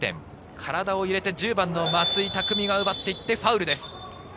体を入れて１０番・松井匠が奪っていってファウルです。